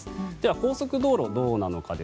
高速道路どうなのか。